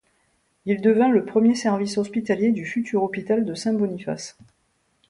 Il devint le premier service hospitalier du futur hôpital de Saint-Boniface.